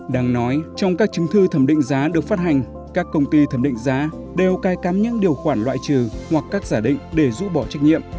đáng nói trong các chứng thư thẩm định giá được phát hành các công ty thẩm định giá đều cai cắm những điều khoản loại trừ hoặc các giả định để rút bỏ trách nhiệm